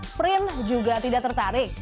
sprint juga tidak tertarik